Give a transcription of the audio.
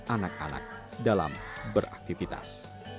anak anak dalam beraktivitas